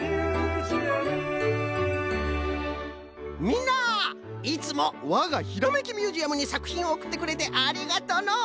みんないつもわがひらめきミュージアムにさくひんをおくってくれてありがとの。